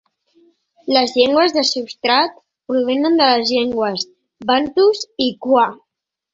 Les llengües de substrat provenen de les llengües bantus i kwa.